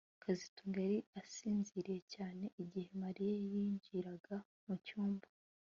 kazitunga yari asinziriye cyane igihe Mariya yinjiraga mu cyumba